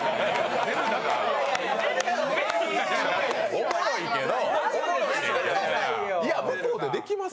おもろいけど。